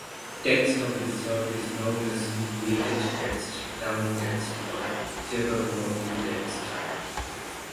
Text of this sort is known as "greeked text", "dummy text", or "jabberwocky text".